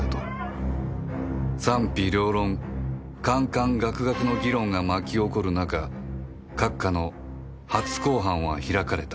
賛否両論侃侃諤諤の議論が巻き起こる中閣下の初公判は開かれた